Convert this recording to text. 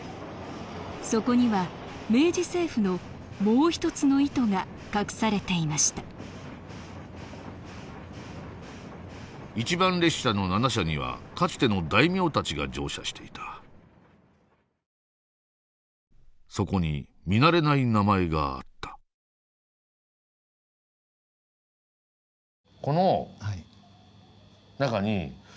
そこには明治政府のもう一つの意図が隠されていました一番列車の七車にはかつての大名たちが乗車していたそこに見慣れない名前があったこの中に琉球公子。